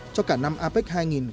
cho cả năm apec hai nghìn một mươi bảy